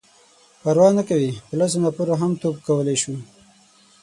_پروا نه کوي،. په لسو نفرو هم توپ کولای شو.